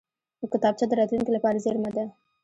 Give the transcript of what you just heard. کتابچه د راتلونکې لپاره زېرمه ده